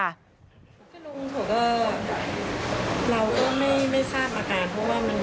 อยู่วัดอื่นอะไรอย่างนี้